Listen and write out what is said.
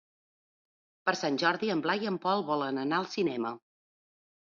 Per Sant Jordi en Blai i en Pol volen anar al cinema.